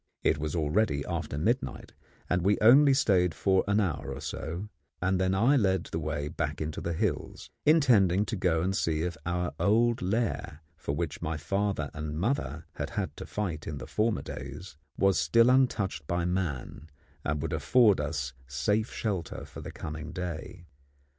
It was already after midnight, and we only stayed for an hour or so, and then I led the way back into the hills, intending to go and see if our old lair, for which my father and mother had had to fight in the former days, was still untouched by man and would afford us safe shelter for the coming day.